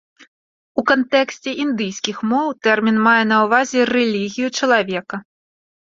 У кантэксце індыйскіх моў тэрмін мае на ўвазе рэлігію чалавека.